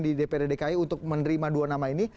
di dprd dki untuk menerima dua nama ini